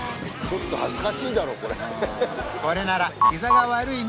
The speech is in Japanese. ちょっと恥ずかしいだろこれこれならひざが悪い